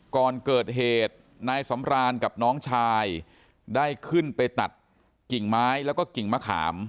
ก่อนเกิดเหตุนายสำรานกับน้องชายได้ขึ้นไปตัดกิ่งไม้แล้วก็กิ่งมะขาม